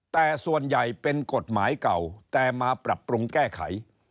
แต่ส่วนใหญ่เป็นกฎหมายเก่าแต่มาปรับปรุงแก้ไข